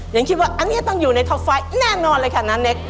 ยังคิดว่าอันนี้ต้องอยู่ในท็อปไฟต์แน่นอนเลยค่ะน้าเน็ก